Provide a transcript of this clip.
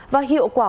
và hiệu quả